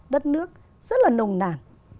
đất nước rất là nồng nàn